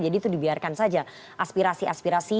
jadi itu dibiarkan saja aspirasi aspirasi